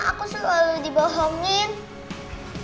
aku selalu dibohongin